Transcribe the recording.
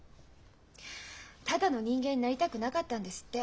ただの人間になりたくなかったんですって。